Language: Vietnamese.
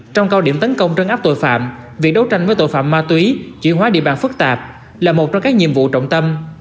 trong cao điểm tấn công trân áp tội phạm việc đấu tranh với tội phạm ma túy chuyển hóa địa bàn phức tạp là một trong các nhiệm vụ trọng tâm